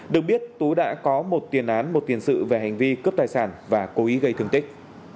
được biết tú đã có một tiền án một tiền sự về hành vi cướp tài sản và cố ý gây thương tích